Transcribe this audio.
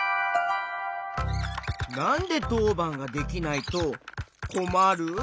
なんでとうばんができないとこまる？